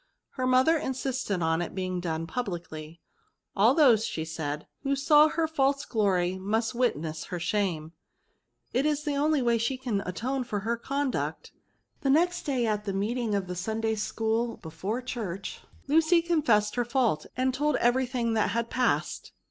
Her mother in sisted on its being done publicly. ^^ All those, said she, " who saw her false glory must witness her shame ; it is the only way she can atone for her conduct" The next day at the meeting of the Sunday's school before church, Lucy confessed her fault, and told every thing that had passed.